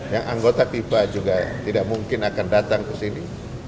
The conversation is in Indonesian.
yang anggota fifa juga tidak mungkin akan datang ke sini